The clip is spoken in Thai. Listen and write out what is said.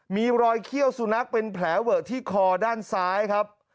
มีรอยเขี้ยวสุนัขเป็นแผลเวอะที่คอด้านซ้ายครับ